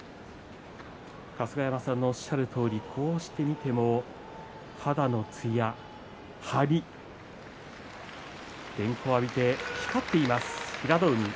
春日山さんのおっしゃるとおりこうして見ても肌のつや体の張り電光を浴びて光っています平戸海。